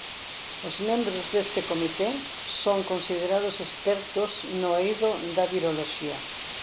Os membros deste comité son considerados expertos no eido da viroloxía.